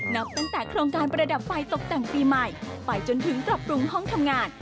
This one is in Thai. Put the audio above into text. นับตั้งแต่โครงการประดับไฟตกแต่งปีใหม่ไปจนถึงปรับปรุงห้องทำงาน